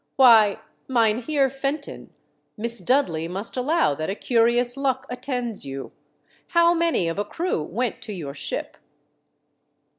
" Why, Mynheer Fenton, Miss Dudley must allow that a curious luck attends you. How many of a crew went to your ship